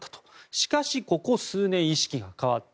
しかし、ここ数年意識が変わった。